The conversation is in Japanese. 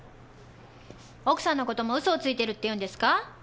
奥さんの事も嘘をついてるって言うんですか？